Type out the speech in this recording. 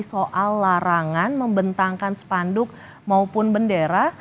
soal larangan membentangkan sepanduk maupun bendera